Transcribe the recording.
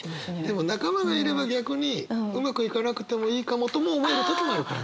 でも仲間がいれば逆にうまくいかなくてもいいかもとも思える時もあるからね。